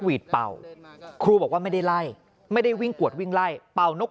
วีดเป่าครูบอกว่าไม่ได้ไล่ไม่ได้วิ่งกวดวิ่งไล่เป่านก